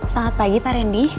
selamat pagi pak rendy